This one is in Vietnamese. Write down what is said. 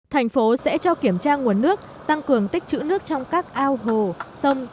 thành phố sẽ cho kiểm tra nguồn nước tăng cường tích chữ nước trong các ao hồ sông